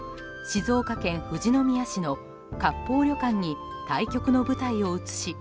静岡県富士宮市の割烹旅館に対局の舞台を移し